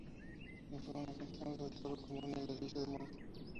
En fauna encontramos el zorro común y el erizo de monte.